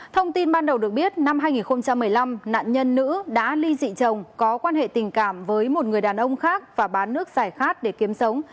thông tin ban đầu được biết năm hai nghìn một mươi năm nạn nhân nữ đã ly dị chồng có quan hệ tình cảm với một người đàn ông khác và bán nước giải khát để kiếm sống